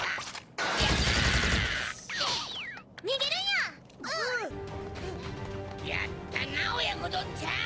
やったなおやこどんちゃん！